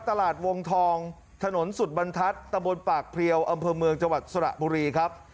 ตลาดวงทองถนนสุดบรรทัศน์ตะบนปากเพลียวอำเภอเมืองจังหวัดสระบุรีครับ